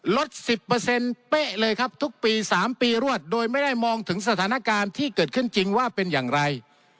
ลด๑๐เป๊ะเลยครับทุกปี๓ปีรวดโดยไม่ได้มองถึงสถานการณ์ที่เกิดขึ้นจริงว่าเป็นอย่างไร